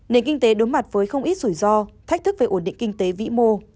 nền kinh tế đối mặt với không ít rủi ro thách thức về ổn định kinh tế vĩ mô